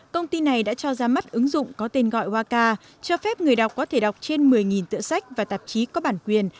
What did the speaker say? công ty này đã cho ra mắt ứng dụng có tên gọi waka cho phép người đọc có thể đọc trên một mươi tựa sách và tạp chí có bản quyền